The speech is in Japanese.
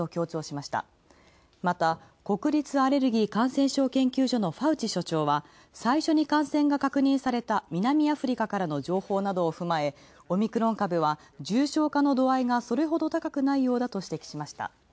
また国立アレルギー感染症研究所のファウチ所長は最初に感染が確認された南アフリカからの情報などをふまえ、重症化の度合いがそれほど高くないようだと指摘しました。